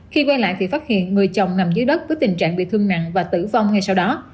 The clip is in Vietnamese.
khi quay lại thì phát hiện người chồng nằm dưới đất với tình trạng bị thương nặng và tử vong ngay sau đó